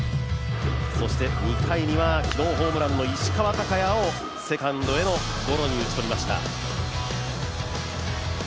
そして２回には、昨日ホームランの石川昂弥を、セカンドでのゴロに打ち取りました。